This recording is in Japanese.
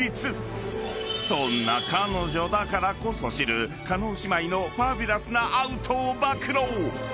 ［そんな彼女だからこそ知る叶姉妹のファビュラスなアウトを暴露］